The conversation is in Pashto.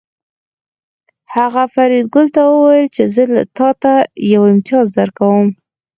هغه فریدګل ته وویل چې زه تاته یو امتیاز درکوم